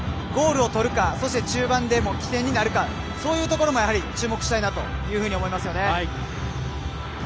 ゴールを取るかそして中盤でも起点になるかそういうところも注目したいなと思いますよね。